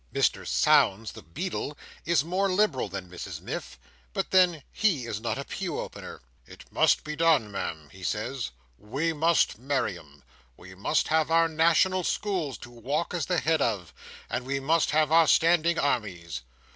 Mr Sownds the beadle is more liberal than Mrs Miff—but then he is not a pew opener. "It must be done, Ma'am," he says. "We must marry 'em. We must have our national schools to walk at the head of, and we must have our standing armies.